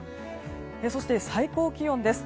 そして最高気温です。